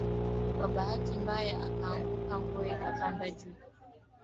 na kwa sasa wanashikilia nyadhifa kuu sana